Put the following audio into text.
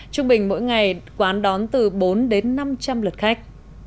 trung bình mỗi ngày quán đón từ bốn đến năm trăm linh lượt khách